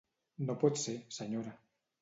No pot ser, senyora.